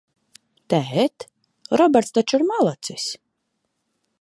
Tēt, Roberts taču ir malacis?